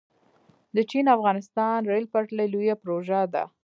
د چین - افغانستان ریل پټلۍ لویه پروژه ده